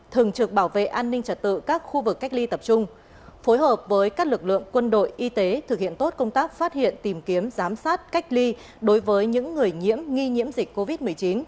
thường trực bảo vệ an ninh trật tự các khu vực cách ly tập trung phối hợp với các lực lượng quân đội y tế thực hiện tốt công tác phát hiện tìm kiếm giám sát cách ly đối với những người nhiễm nghi nhiễm dịch covid một mươi chín